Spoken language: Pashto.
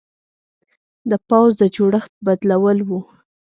د پوځ د جوړښت بدلول و.